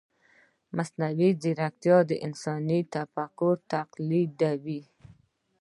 مصنوعي ځیرکتیا د انسان تفکر تقلیدوي.